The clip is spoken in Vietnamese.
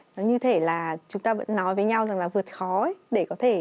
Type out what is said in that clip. nó như thế là chúng ta vẫn nói với nhau rằng là vượt